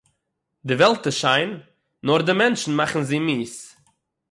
די וועלט איז שיין נאָר די מענטשן מאַכן זי מיאוס.